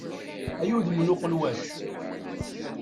Ay udem n uqelwac!